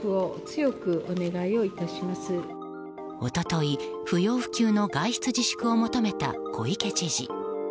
一昨日、不要不急の外出自粛を求めた小池知事。